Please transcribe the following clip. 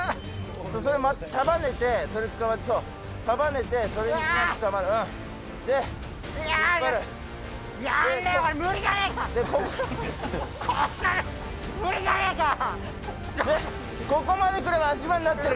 それ束ねて、それつかまって、そう、束ねて、それにまずつかまる。